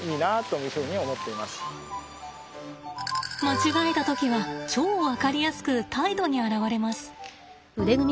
間違えた時は超分かりやすく態度に表れます。